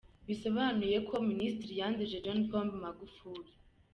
Bisobanuye ngo Minisitiri yanduje John Pombe Magufuli.